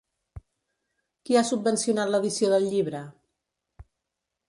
Qui ha subvencionat l'edició del llibre?